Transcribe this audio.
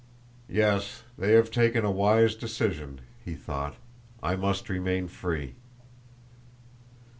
"Yes, they have taken a wise decision," he thought, "I must remain free."